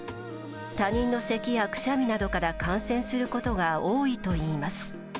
他人の咳やくしゃみなどから感染することが多いといいます。